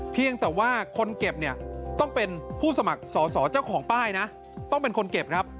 เพียงแต่ว่าคนเก็บต้องเป็นผู้สมัครสสเจ้าของป้ายต้องเป็นคนเก็บ